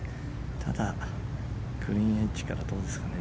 ただ、グリーンエッジから遠いですね。